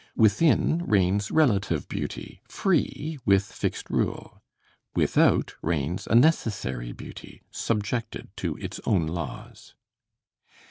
Within reigns relative beauty, free, with fixed rule; without reigns a necessary beauty subjected to its own laws.